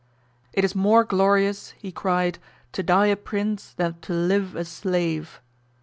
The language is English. "It is more glorious," he cried, "to die a prince, than to live a slave."